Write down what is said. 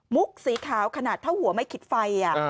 มุกสีขาวขนาดถ้าหัวไม่คิดไฟอะ